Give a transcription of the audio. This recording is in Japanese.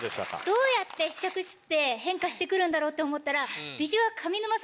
どうやって試着室で変化してくるんだろう？って思ったら。